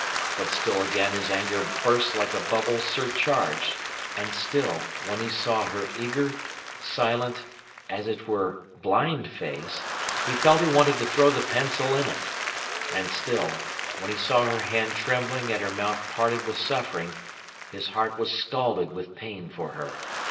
But still again his anger burst like a bubble surcharged; and still, when he saw her eager, silent, as it were, blind face, he felt he wanted to throw the pencil in it; and still, when he saw her hand trembling and her mouth parted with suffering, his heart was scalded with pain for her.